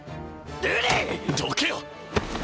どけよ！